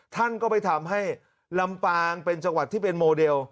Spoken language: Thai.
ท่านก็ไปทำให้ลำปางเป็นจังหวัดที่เป็นโมเดล